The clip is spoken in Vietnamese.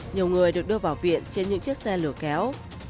nhiều người được đưa vào viện trên những chiếc xe lửa kéo